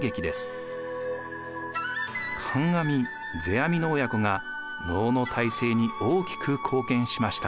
観阿弥世阿弥の親子が能の大成に大きく貢献しました。